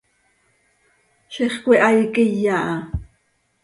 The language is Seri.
Ziix cöihaai quiya ha.